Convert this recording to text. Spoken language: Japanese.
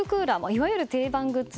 いわゆる定番グッズ。